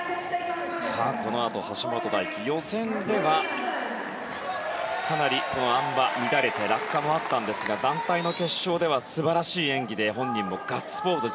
このあと橋本大輝、予選ではかなりこのあん馬、乱れて落下もあったんですが団体の決勝では素晴らしい演技で本人もガッツポーズ